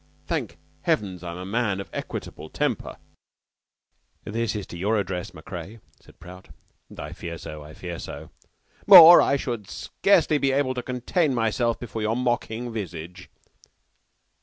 Thank Heaven, I am a man of equable temper " ("This is to your address, Macrea," said Prout. "I fear so, I fear so.") "Or I should scarcely be able to contain myself before your mocking visage."